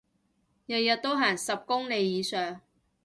日日都行十公里以上